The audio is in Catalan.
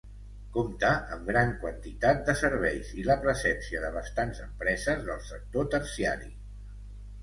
Compta amb gran quantitat de serveis i la presència de bastants empreses del sector terciari.